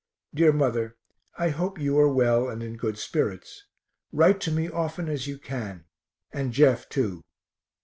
Dear mother, I hope you are well and in good spirits write to me often as you can, and Jeff too.